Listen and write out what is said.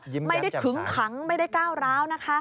ยิ้มแย้มจำซ้ายไม่ได้ขึ้งขังไม่ได้ก้าวร้าวนะคะ